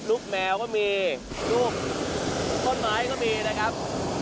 แมวก็มีลูกต้นไม้ก็มีนะครับ